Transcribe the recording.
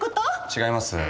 違います。